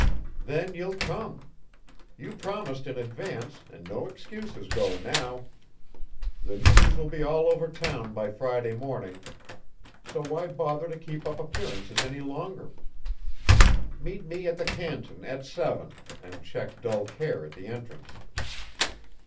"Then you'll come. You promised in advance, and no excuses go now. The news will be all over town by Friday morning; so why bother to keep up appearances any longer. Meet me at the Canton at seven and check dull care at the entrance."